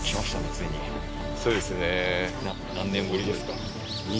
ついにそうですね何年ぶりですか？